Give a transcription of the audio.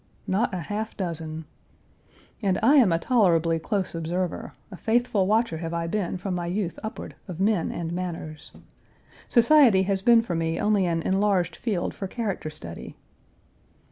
Not a half dozen. And I am a tolerably close observer, a faithful watcher have I been from my youth upward of men and manners. Society has been for me only an enlarged field for character study.